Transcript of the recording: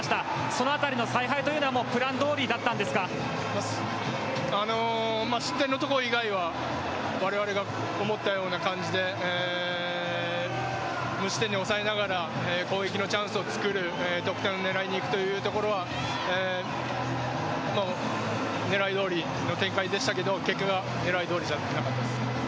そのあたりの采配は失点のところ以外はわれわれが思ったような感じで無失点に抑えながら攻撃のチャンスを作る得点を狙いにいくというところは狙いどおりの展開でしたが結果は狙いどおりじゃなかったです。